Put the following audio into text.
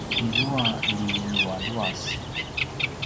izua ljilualuas